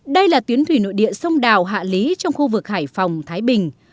đây là tuyến thủy nội địa sông đào hạ lý trong khu vực hải phòng thái bình